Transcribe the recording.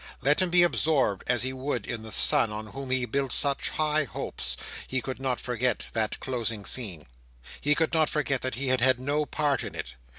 Let him be absorbed as he would in the Son on whom he built such high hopes, he could not forget that closing scene. He could not forget that he had had no part in it.